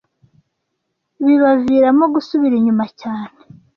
bibaviramo gusubira inyuma cyane